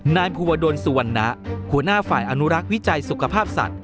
นายภูวดลสุวรรณะหัวหน้าฝ่ายอนุรักษ์วิจัยสุขภาพสัตว